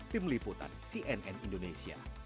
tim liputan cnn indonesia